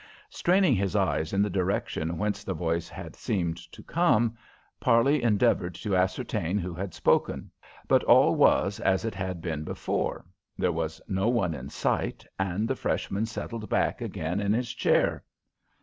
Straining his eyes in the direction whence the voice had seemed to come, Parley endeavored to ascertain who had spoken, but all was as it had been before. There was no one in sight, and the freshman settled back again in his chair.